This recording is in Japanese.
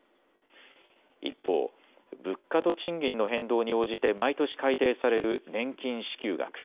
一方、物価と賃金の変動に応じて毎年改定される年金支給額。